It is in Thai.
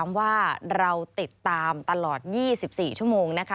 สวัสดีค่ะสวัสดีค่ะ